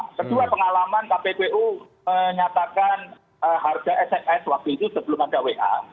kedua pengalaman kppu menyatakan harga sms waktu itu sebelum ada wa